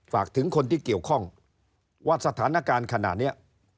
ฝากถึงคนที่เกี่ยวข้องว่าสถานการณ์ขณะนี้